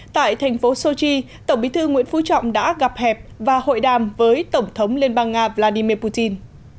tại thành phố sochi tổng bí thư nguyễn phú trọng đã gặp hẹp và hội đàm với tổng thống liên bang nga vladimir putin